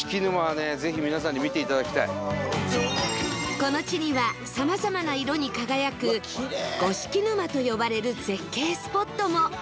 この地にはさまざまな色に輝く五色沼と呼ばれる絶景スポットも